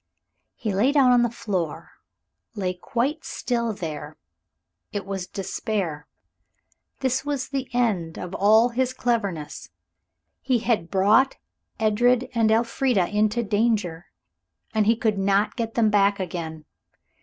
He lay down on the floor, lay quite still there. It was despair. This was the end of all his cleverness. He had brought Edred and Elfrida into danger, and he could not get them back again.